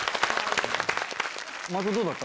松尾どうだった？